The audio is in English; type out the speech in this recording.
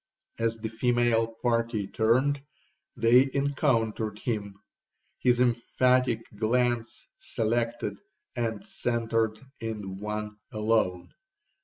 As the female party turned, they encountered him. His emphatic glance selected and centred in one alone.